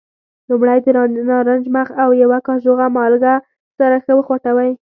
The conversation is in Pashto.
لومړی د نارنج مغز او یوه کاشوغه مالګه سره ښه وخوټوئ.